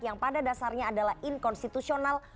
yang pada dasarnya adalah inkonstitusional